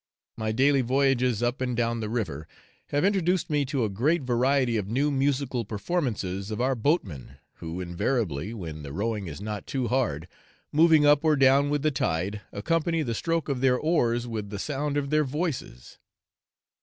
My daily voyages up and down the river have introduced me to a great variety of new musical performances of our boatmen, who invariably, when the rowing is not too hard, moving up or down with the tide, accompany the stroke of their oars with the sound of their voices.